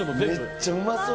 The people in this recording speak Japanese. めっちゃうまそう。